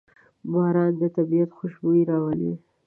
باران د طبیعت خوشبويي راولي.